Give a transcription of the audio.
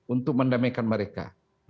untuk mendamaikan mereka